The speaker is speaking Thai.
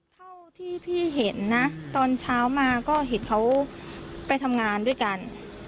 เท่าที่พี่เห็นนะตอนเช้ามาก็เห็นเขาไปทำงานด้วยกัน